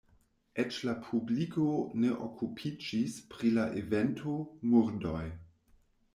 Eĉ la publiko ne okupiĝis pri la evento, murdoj.